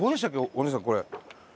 お姉さんこれ。